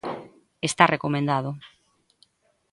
Está recomendado.